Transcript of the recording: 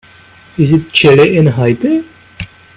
Is it chilly in Haiti